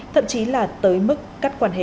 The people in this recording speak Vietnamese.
thậm chí là tới mức cắt quan hệ